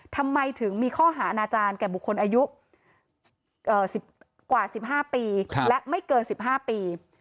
ทำไมถึงมีข้อหาอาณาจารย์แก่บุคคลอายุกว่า๑๕ปีและไม่เกิน๑๕ปี